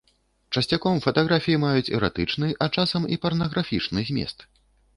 Часцяком фатаграфіі маюць эратычны, а часам і парнаграфічны змест.